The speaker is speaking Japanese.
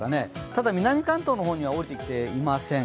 ただ、南関東の方には下りてきていません。